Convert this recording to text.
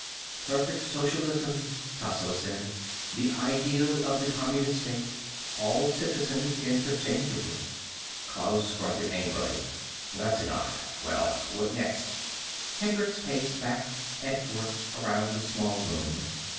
"Perfect socialism," Tasso said. "The ideal of the communist state. All citizens interchangeable." Klaus grunted angrily. "That's enough. Well? What next?" Hendricks paced back and forth, around the small room.